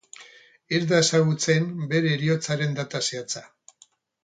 Ez da ezagutzen bere heriotzaren data zehatza.